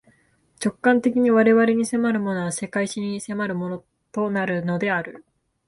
直観的に我々に迫るものは、世界史的に迫るものとなるのである。